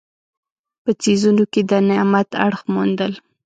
په څیزونو کې د نعمت اړخ موندل.